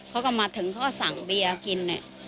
เค้าก็มาถึงเค้าสั่งเบียนกิน